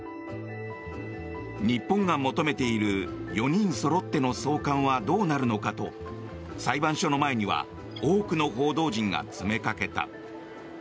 日本が求めている４人そろっての送還はどうなるのかと裁判所の前には多くの報道陣が詰めかけた。